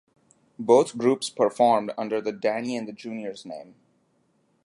Both groups performed under the "Danny and the Juniors" name.